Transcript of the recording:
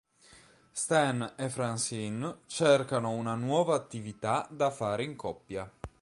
Stan e Francine cercano una nuova attività da fare in coppia.